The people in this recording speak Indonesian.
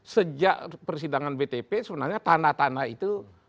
sejak persidangan btp sebenarnya tanda tanda itu